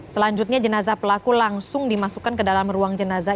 selanjutnya jenazah pelaku langsung dimasukkan ke dalam ruang jenazah